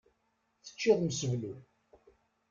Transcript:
Teččiḍ mseblu.